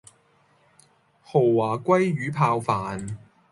豪華鮭魚泡飯